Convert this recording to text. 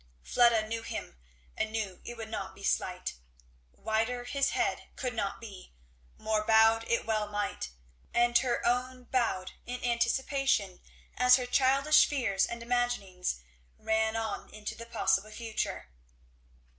Fleda knew him and knew it would not be slight. Whiter his head could not be, more bowed it well might, and her own bowed in anticipation as her childish fears and imaginings ran on into the possible future.